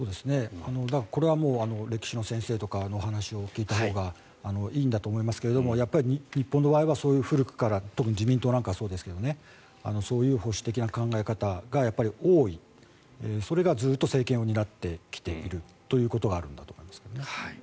これはもう歴史の先生とかのお話を聞いたほうがいいんだと思いますがやっぱり日本の場合はそういう古くから特に自民党なんかはそうですがそういう保守的な考え方が多いそれがずっと政権を担ってきているということがあるんだと思いますけどね。